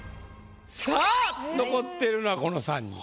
さぁ残っているのはこの３人。